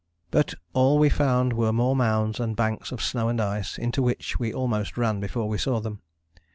But all we found were more mounds and banks of snow and ice, into which we almost ran before we saw them.